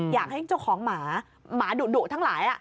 อยากให้เจ้าของหมาหมาดุทั้งหลาย